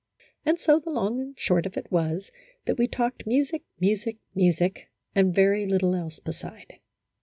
And so the long and the short of it was that we talked music, music, music, and very little else beside.